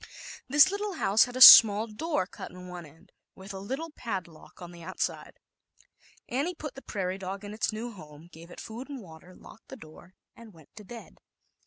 This lit tle house had a small door cut in one end, with a little padlock on the out side. Annie put the prairie dog in its new home, gave it food and water, locked the door and went to bed.